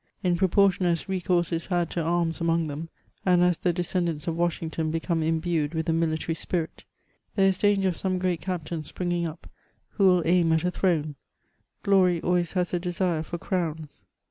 In proportion as re course is had to arms among them, and as the descendants of Washington become imbued with the military spirit, there is danger of some great captain springing up, who will aim at a throne ; glory always has a desire for crowns.